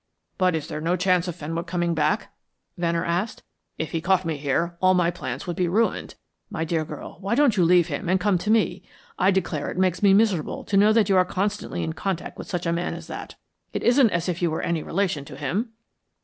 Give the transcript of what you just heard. "But is there no chance of Fenwick coming back?" Venner asked. "If he caught me here, all my plans would be ruined. My dear girl, why don't you leave him and come to me? I declare it makes me miserable to know that you are constantly in contact with such a man as that. It isn't as if you were any relation to him."